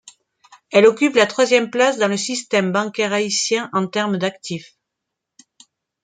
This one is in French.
Elle occupe la troisième place dans le système bancaire haïtien en termes d'actifs.